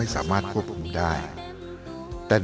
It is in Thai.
อย่ากัดสิ้นคนที่เลว